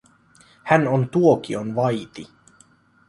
Hän on tuokion vaiti.